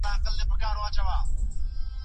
اقتصاد پوهانو د ګټي کچه په دقت سره وڅيړله.